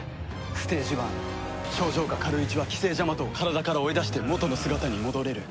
ステージ１症状が軽いうちは寄生ジャマトを体から追い出して元の姿に戻れる。